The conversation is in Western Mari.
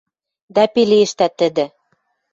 Дӓ пелештӓ тӹдӹ: